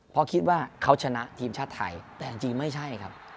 เพราะคิดว่าเขาชนะทีมชาติไทยแต่จริงไม่ใช่ครับ